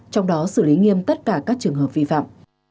trong đó xử lý nghiêm tất cả các trường hợp vi phạm